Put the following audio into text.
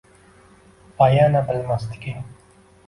Vayana bilmasdiki